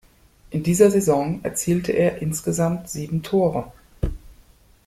In dieser Saison erzielte er insgesamt sieben Tore.